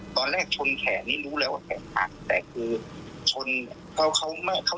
ตอนแรกชนแขนนี่รู้แล้วแต่ท่าแต่คือชนเขาเขามาเขา